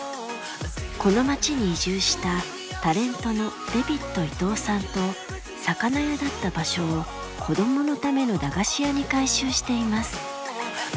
この町に移住したタレントのデビット伊東さんと魚屋だった場所を子どものための駄菓子屋に改修しています。